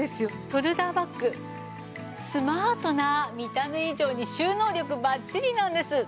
ショルダーバッグスマートな見た目以上に収納力バッチリなんです。